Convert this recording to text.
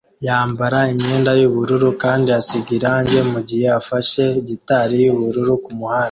yambara imyenda yubururu kandi asiga irangi mugihe afashe gitari yubururu kumuhanda